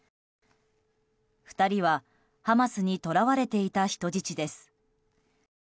２人はハマスに捕らわれていた人質です。